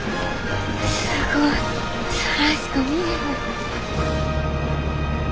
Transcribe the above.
すごい空しか見えへん。